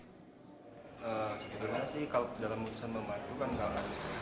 sebenarnya sih dalam kegiatan amal itu kan enggak harus